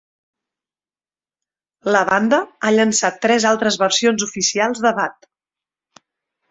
La banda ha llançat tres altres versions oficials de "Bad".